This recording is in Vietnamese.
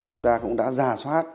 chúng ta cũng đã giả soát